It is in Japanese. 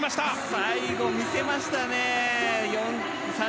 最後、見せましたね。